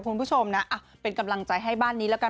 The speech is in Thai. คุณผู้ชมนะเป็นกำลังใจให้บ้านนี้แล้วกัน